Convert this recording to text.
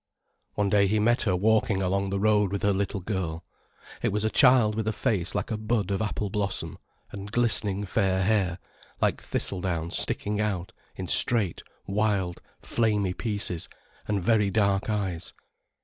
One day he met her walking along the road with her little girl. It was a child with a face like a bud of apple blossom, and glistening fair hair like thistle down sticking out in straight, wild, flamy pieces, and very dark eyes.